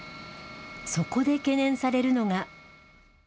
そこで懸念されるのが。